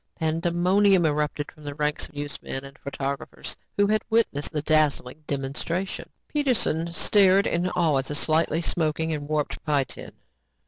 Pandemonium erupted from the ranks of newsmen and photographers who had witnessed the dazzling demonstration. Peterson stared in awe at the slightly smoking and warped pie tin.